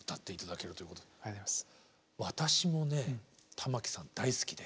私もね玉置さん大好きで。